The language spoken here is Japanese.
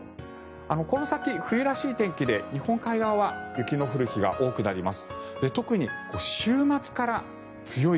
この先、冬らしい天気で日本海側は雪の降る日が多くなります。